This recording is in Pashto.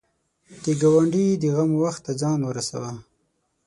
د ګاونډي د غم وخت ته ځان ورسوه